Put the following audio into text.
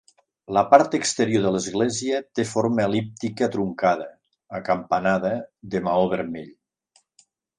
La part exterior de l'església té forma el·líptica truncada, acampanada, de maó vermell.